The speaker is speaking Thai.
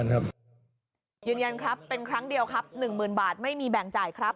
๑หมื่นบาทไม่มีแบ่งจ่ายครับ